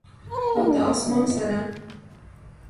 او د اسمان سره،